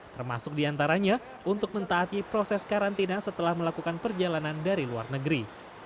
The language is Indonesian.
termasuk diantaranya untuk mentaati proses karantina setelah melakukan perjalanan dari luar negeri